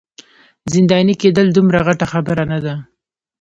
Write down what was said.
زنداني کیدل دومره غټه خبره نه ده.